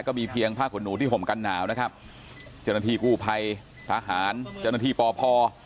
ก็มีเพียงพระขวดหนูที่ผมกันหนาวนะครับเจ้าหน้าที่กู้ภัยพระหารเจ้าหน้าที่ป่อ